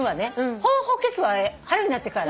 「ホーホケキョ」は春になってから。